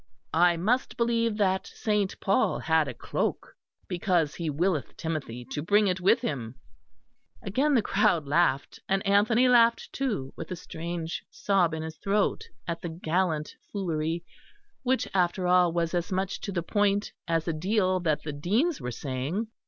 I must believe that Saint Paul had a cloak, because he willeth Timothy to bring it with him." Again the crowd laughed; and Anthony laughed, too, with a strange sob in his throat at the gallant foolery, which, after all, was as much to the point as a deal that the Deans were saying.